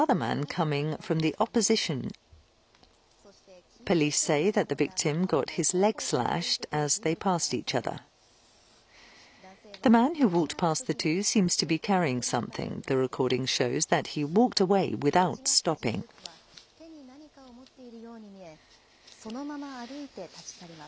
すれ違った人物は、手に何かを持っているように見え、そのまま歩いて立ち去ります。